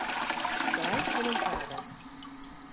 Drei Kommentare.